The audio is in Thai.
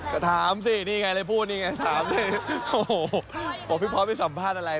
ก็ถามสินี่ไงเลยพูดนี่ไงถามสิโอ้โหพี่พอสไปสัมภาษณ์อะไร